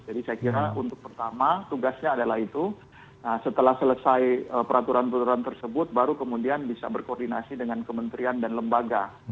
jadi saya kira untuk pertama tugasnya adalah itu setelah selesai peraturan peraturan tersebut baru kemudian bisa berkoordinasi dengan kementerian dan lembaga